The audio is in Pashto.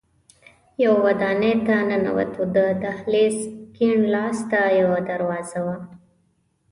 یوه ودانۍ ته ننوتو، د دهلېز کیڼ لاس ته یوه دروازه وه.